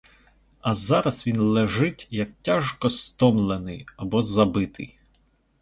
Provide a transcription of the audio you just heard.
А зараз він лежить, як тяжко стомлений або забитий.